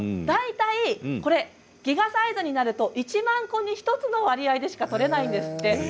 大体ギガサイズになると１万個に１つの割合でしか採れないんですって。